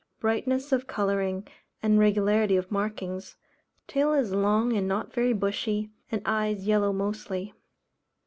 Brightness of colouring, and regularity of markings. Tail is long and not very bushy, and eyes yellow mostly.